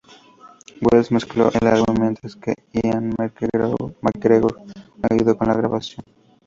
Wells mezcló el álbum, mientras que Ian McGregor ayudó con la grabación.